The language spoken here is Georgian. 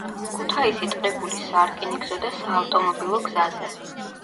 ქუთაისი-ტყიბულის სარკინიგზო და საავტომობილო გზაზე.